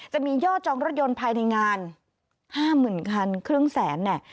จะมียอดจองรถยนต์ภายในงาน๕๐๐๐คันครึ่งแสนเนี่ย